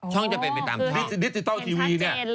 ช่องจะเป็นไปตามช่องเป็นชั้นเจนเลยคือดิจิทัลทีวีเนี่ย